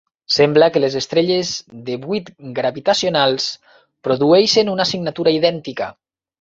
Sembla que les estrelles de buit gravitacionals produeixen una signatura idèntica.